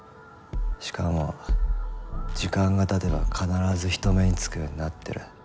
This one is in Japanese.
しかも時間が経てば必ず人目につくようになってる。